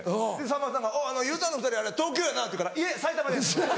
さんまさんが「Ｕ−ｔｕｒｎの２人東京やな？」って言うから「いえ埼玉です」